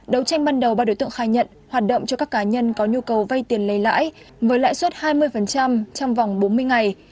đấu tranh ban đầu ba đối tượng khai nhận hoạt động cho các cá nhân có nhu cầu vay tiền lấy lãi với lãi suất hai mươi trong vòng bốn mươi ngày